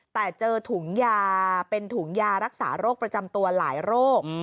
แต่เจอถุงยาเป็นถุงยารักษาโรคประจำตัวหลายโรค